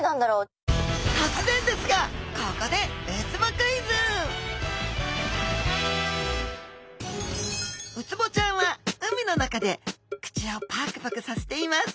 とつぜんですがここでウツボちゃんは海の中で口をパクパクさせています。